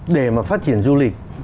để mà phát triển du lịch